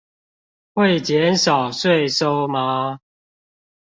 會減少稅收嗎？